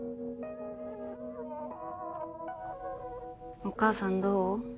お母さんどう？